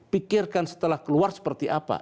pikirkan setelah keluar seperti apa